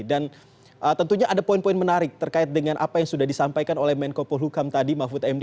dan tentunya ada poin poin menarik terkait dengan apa yang sudah disampaikan oleh menkopolhuka mahfud md